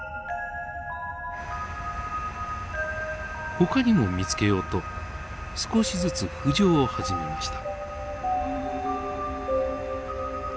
ほかにも見つけようと少しずつ浮上を始めました。